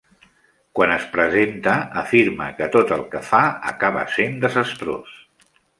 Quan es presenta, afirma que tot el que fa acaba sent desastrós.